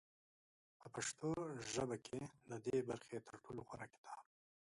په پښتو ژبه کې د دې برخې تر ټولو غوره کتاب